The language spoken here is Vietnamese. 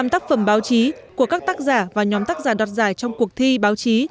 một mươi năm tác phẩm báo chí của các tác giả và nhóm tác giả đọt giải trong cuộc thi báo chí